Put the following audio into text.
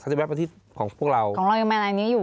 ก็จะแบบว่าที่ของพวกเราของเรายังไงอยู่